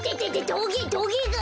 トゲトゲが。